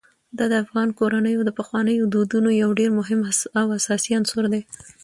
دا د افغان کورنیو د پخوانیو دودونو یو ډېر مهم او اساسي عنصر دی.